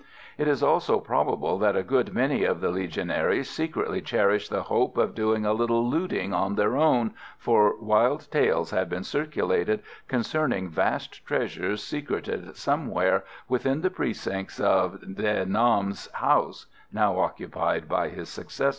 It is also probable that a good many of the Legionaries secretly cherished the hope of doing a little looting "on their own," for wild tales had been circulated concerning vast treasures secreted somewhere within the precincts of De Nam's house, now occupied by his successor.